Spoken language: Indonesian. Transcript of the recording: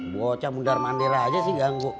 gue camudar mandirah aja sih ganggu